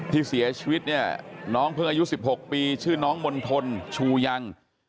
ที่เสียชีวิตเนี่ยน้องเพิ่งอายุ๑๖ปีชื่อน้องมณฑลชูยัง